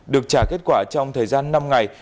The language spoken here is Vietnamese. được trả kết quả trong thời gian năm ngày